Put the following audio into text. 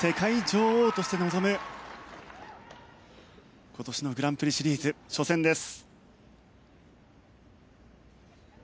世界女王として臨む今年のグランプリシリーズ初戦です。